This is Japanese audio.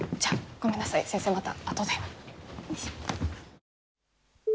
ごめんなさい先生またあとで。